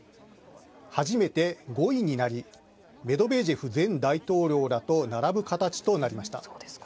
初めて５位になりメドベージェフ前大統領らと並ぶ形となりました。